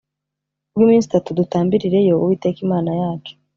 rw iminsi itatu dutambirireyo Uwiteka Imana yacu